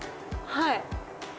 はい。